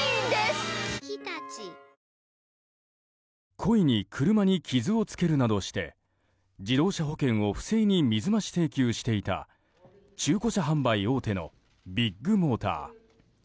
故意に車に傷をつけるなどして自動車保険を不正に水増し請求していた中古車販売大手のビッグモーター。